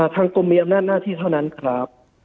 ทางกรมมีอำนาจหน้าที่เท่านั้นครับ